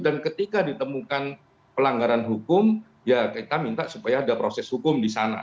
dan ketika ditemukan pelanggaran hukum ya kita minta supaya ada proses hukum di sana